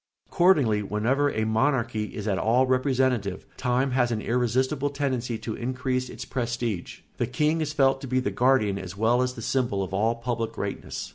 Accordingly, whenever a monarchy is at all representative time has an irresistible tendency to increase its prestige; the king is felt to be the guardian as well as the symbol of all public greatness.